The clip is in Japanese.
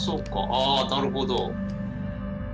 あなるほど。